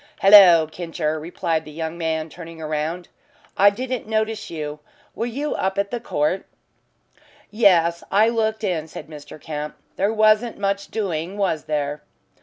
"Hallo, Kincher," replied the young man, turning round. "I didn't notice you. Were you up at the court?" "Yes, I looked in," said Mr. Kemp. "There wasn't much doing, was there?"